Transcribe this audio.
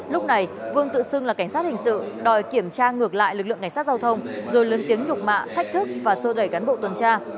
lúc này vương tự xưng là cảnh sát hình sự đòi kiểm tra ngược lại lực lượng cảnh sát giao thông rồi lớn tiếng nhục mạ thách thức và sô đẩy cán bộ tuần tra